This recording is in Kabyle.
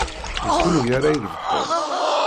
D kunwi ara irebḥen?